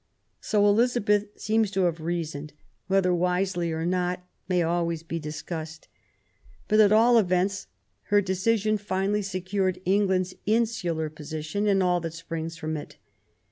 So Elizabeth seems to have reasoned — ^whether wisely or not, may always be discussed. But, at all events, her decision finally secured England's insular position and all that springs from it.